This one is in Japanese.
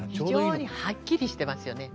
非常にはっきりしてますよね。